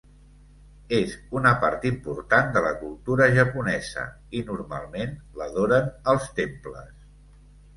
És una part important de la cultura japonesa i normalment l'adoren als temples.